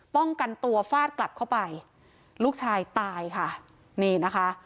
ป้องกันตัวฟาดกลับเข้าไปลูกชายตายค่ะนี่นะคะ